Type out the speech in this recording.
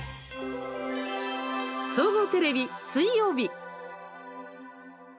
総合テレビ、水曜日。